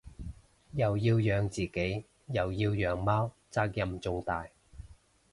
又要養自己又要養貓責任重大